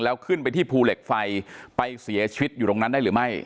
แล้วขึ้นไปที่ภูเหล็กไฟไปเสียชีวิตอยู่ตรงนั้นได้หรือไม่